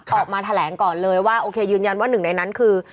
ออกมาแถลงก่อนเลยว่าโอเคยืนยันว่าหนึ่งในนั้นคือ